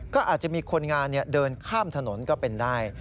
ก็อาจจะมีคนงานเดินข้ามถนนก็เป็นได้